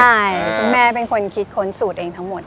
ใช่คุณแม่เป็นคนคิดค้นสูตรเองทั้งหมด